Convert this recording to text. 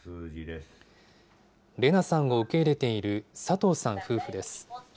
レナさんを受け入れている佐藤さん夫婦です。